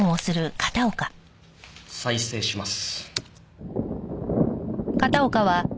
再生します。